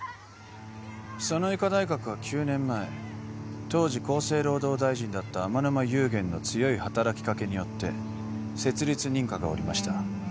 その医科大学は９年前当時厚生労働大臣だった天沼夕源の強い働きかけによって設立認可が下りました